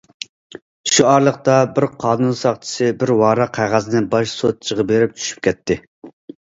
شۇ ئارىلىقتا، بىر قانۇن ساقچىسى بىر ۋاراق قەغەزنى باش سوتچىغا بېرىپ چۈشۈپ كەتتى.